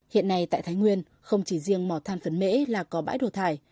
hiện nay tại thái nguyên không chỉ riêng mỏ than phấn mễ là có bãi đổ thải